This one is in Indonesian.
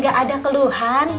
gak ada keluhan